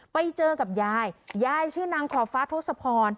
ไปเจอกับยายยายชื่อนางขอบฟ้าทศพร